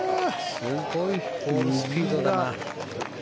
すごいボールスピードだな。